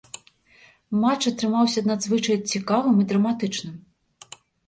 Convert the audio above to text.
Матч атрымаўся надзвычай цікавым і драматычным.